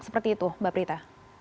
seperti itu mbak prita